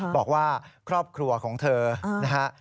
บอกว่าครอบครัวของเธอนะฮะ